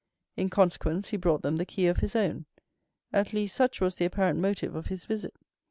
In consequence, he brought them the key of his own—at least such was the apparent motive of his visit.